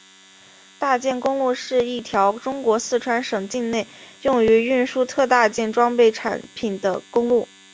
大件公路是一条中国四川省境内用于运输特大件装备产品的公路。